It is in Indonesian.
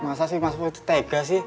masa sih mas boy itu tega sih